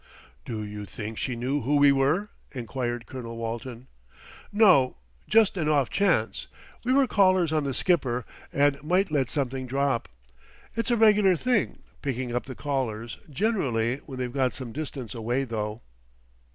"Do you think she knew who we were?" enquired Colonel Walton. "No, just an off chance. We were callers on the Skipper, and might let something drop. It's a regular thing, picking up the callers, generally when they've got some distance away though."